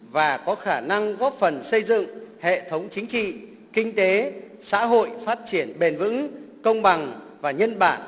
và có khả năng góp phần xây dựng hệ thống chính trị kinh tế xã hội phát triển bền vững công bằng và nhân bản